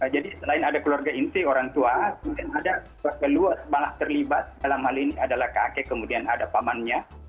jadi selain ada keluarga inti orang tua mungkin ada keluarga luar malah terlibat dalam hal ini adalah kakek kemudian ada pamannya